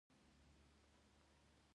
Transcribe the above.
لوگر د افغان ځوانانو د هیلو استازیتوب کوي.